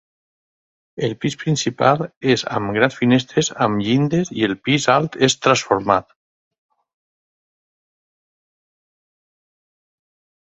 El pis principal és amb grans finestres amb llindes i el pis alt és transformat.